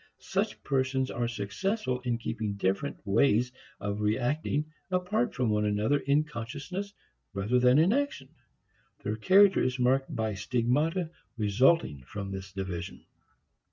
Such persons are successful in keeping different ways of reacting apart from one another in consciousness rather than in action. Their character is marked by stigmata resulting from this division.